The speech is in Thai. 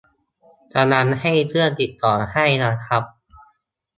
กำลังให้เพื่อนติดต่อให้นะครับ